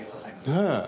ねえ。